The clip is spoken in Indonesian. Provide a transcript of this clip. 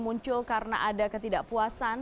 muncul karena ada ketidakpuasan